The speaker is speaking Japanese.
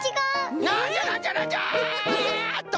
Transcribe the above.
なんじゃなんじゃなんじゃっと！